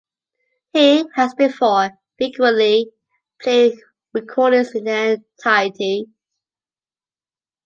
He, as before, frequently played recordings in their entirety.